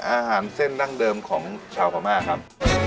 อาหารเส้นดั้งเดิมของชาวพม่าครับ